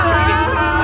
pilihan yang pertama